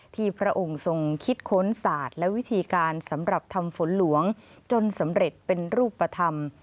พระองค์ทรงคิดค้นศาสตร์และวิธีการสำหรับทำฝนหลวงจนสำเร็จเป็นรูปธรรม